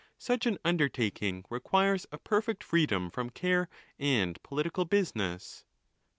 Such an undertaking requires a perfect freedom from care and political business.